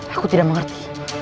aku tidak mengerti